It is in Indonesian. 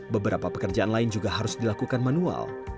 beberapa pekerjaan lain juga harus dilakukan manual